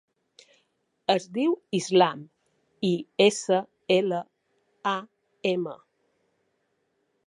Es diu Islam: i, essa, ela, a, ema.